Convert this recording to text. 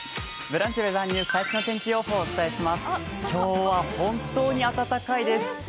今日は本当に暖かいです。